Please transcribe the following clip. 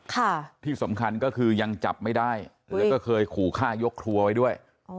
ค่ะที่สำคัญก็คือยังจับไม่ได้แล้วก็เคยขู่ฆ่ายกครัวไว้ด้วยอ๋อ